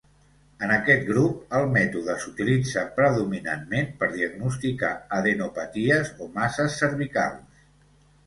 En aquest grup, el mètode s'utilitza predominantment per diagnosticar adenopaties o masses cervicals.